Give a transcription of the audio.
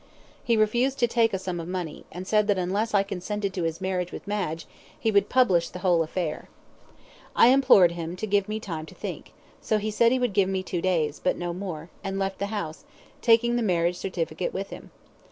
He refused to take a sum of money, and said that unless I consented to his marriage with Madge he would publish the whole affair. I implored him to give me time to think, so he said he would give me two days, but no more, and left the house, taking the marriage certificate with him.